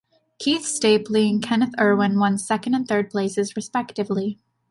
Keith Stapley and Kenneth Erwin won second and third places, respectively.